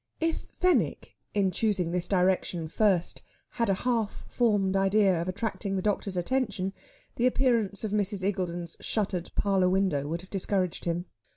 If Fenwick, in choosing this direction first, had a half formed idea of attracting the doctor's attention, the appearance of Mrs. Iggulden's shuttered parlour window would have discouraged him.